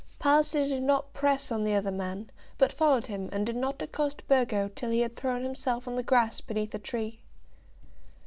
Palliser did not press on the other man, but followed him, and did not accost Burgo till he had thrown himself on the grass beneath a tree.